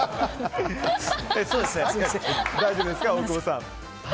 大丈夫ですか、大久保さん。